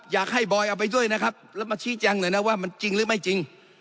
บอยเอาไปด้วยนะครับแล้วมาชี้แจงหน่อยนะว่ามันจริงหรือไม่จริง